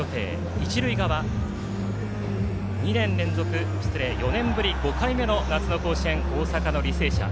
一塁側、４年ぶり５回目の夏の甲子園、大阪の履正社。